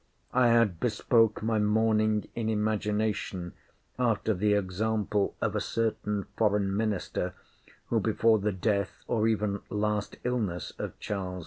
I had bespoke my mourning in imagination, after the example of a certain foreign minister, who, before the death, or even last illness of Charles II.